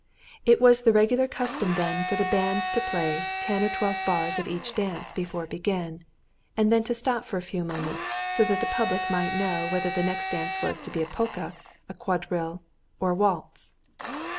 It was the regular custom then for the band to play ten or twelve bars of each dance before it began, and then stop for a few moments so that the public might know whether the next dance was to be a polka, quadrille, or waltz.